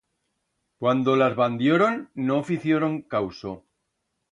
Cuando las bandioron no ficioron causo.